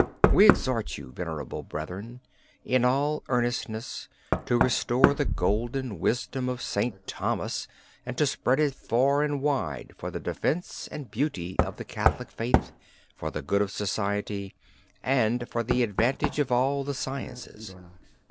We exhort you, Venerable Brethren, in all earnestness to restore the golden wisdom of St. Thomas, and to spread it far and wide for the defense and beauty of the Catholic faith, for the good of society, and for the advantage of all the sciences.